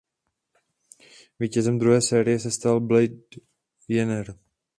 Vítězem druhé série se stal Blake Jenner.